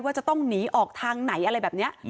จะต้องหนีออกทางไหนอะไรแบบนี้